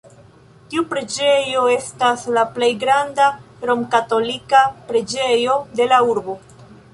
Tiu preĝejo estas la plej granda romkatolika preĝejo de la urbo.